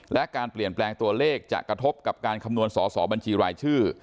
และการเปลี่ยนแปลงตัวเลขจะกระทบกับการคำนวณสอสอบัญชีรายชื่อ